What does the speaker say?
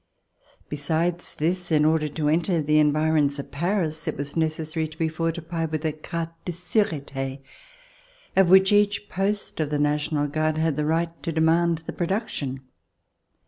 Besides this, in order to enter the environs of Paris, it was necessary to be fortified with a carte de surete, of which each post of the National Guard had the right to demand the production.